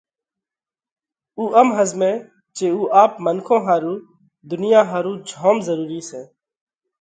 اُو ام ۿزمئه جي اُو آپ منکون ۿارُو، ڌُنيا ۿارُو جوم ضرُورِي سئہ۔